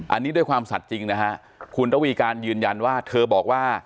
อันนี้ด้วยความสัตว์จริงนะฮะคุณระวีการยืนยันว่าเธอบอกว่า